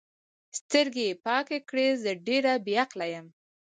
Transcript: سترګې یې پاکې کړې: زه ډېره بې عقله یم.